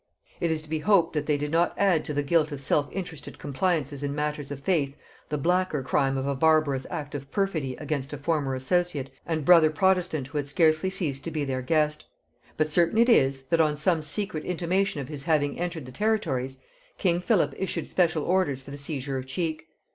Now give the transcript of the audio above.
It is to be hoped that they did not add to the guilt of self interested compliances in matters of faith the blacker crime of a barbarous act of perfidy against a former associate and brother protestant who had scarcely ceased to be their guest; but certain it is, that on some secret intimation of his having entered his territories, king Philip issued special orders for the seizure of Cheke.